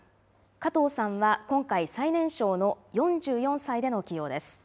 加藤さんは今回最年少の４４歳での起用です。